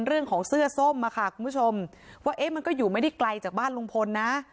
เรื่องของเสื้อส้มค่ะคุณผู้ชมว่าเอ๊ะมันก็อยู่ไม่ได้ไกลจากบ้านลุงพลนะ